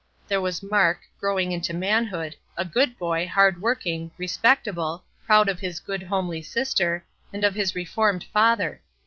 There was Mark, growing into manhood, a good boy, hard working, respectable, proud of his good, homely sister, and of his reformed father.